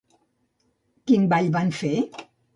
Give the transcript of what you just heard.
Quin ball van fer?